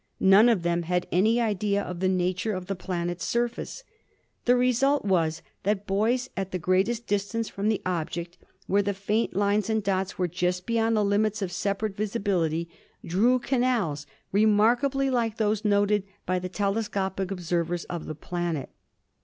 None of them had any idea of the nature of the planet's surface. The result was that boys at the greatest distance from the object, where the faint lines and dots were just beyond the limits of separate visibility, drew canals strikingly like those noted by the telescopic observers of the planet.